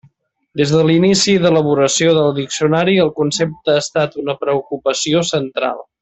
Des de l'inici d'elaboració del diccionari el concepte ha estat una preocupació central.